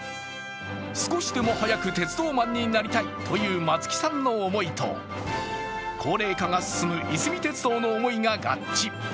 少しでも早く鉄道マンになりたいという松木さんの思いと高齢化が進むいすみ鉄道の思いが合致。